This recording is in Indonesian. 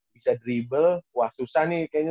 bisa drible wah susah nih kayaknya